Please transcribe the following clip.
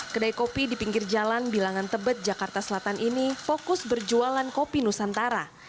kedai kopi di pinggir jalan bilangan tebet jakarta selatan ini fokus berjualan kopi nusantara